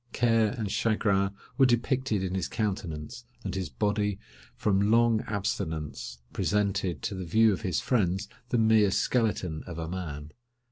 Care and chagrin were depicted in his countenance, and his body, from long abstinence, presented to the view of his friends the mere skeleton of a man.